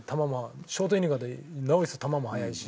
ショートイニングだったり球も速いし。